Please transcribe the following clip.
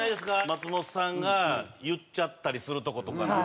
松本さんが言っちゃったりするとことかって。